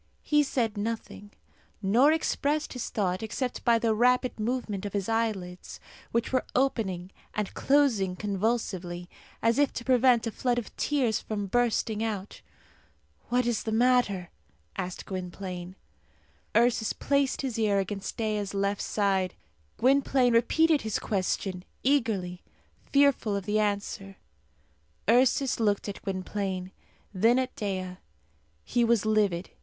He said nothing, nor expressed his thought except by the rapid movement of his eyelids, which were opening and closing convulsively, as if to prevent a flood of tears from bursting out. "What is the matter?" asked Gwynplaine. Ursus placed his ear against Dea's left side. Gwynplaine repeated his question eagerly, fearful of the answer. Ursus looked at Gwynplaine, then at Dea. He was livid.